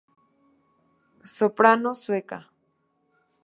Soprano sueca.